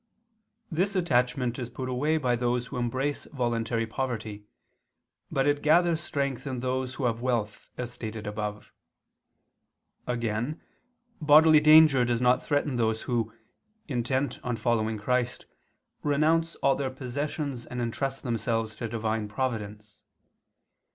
This attachment is put away by those who embrace voluntary poverty, but it gathers strength in those who have wealth, as stated above. Again bodily danger does not threaten those who, intent on following Christ, renounce all their possessions and entrust themselves to divine providence.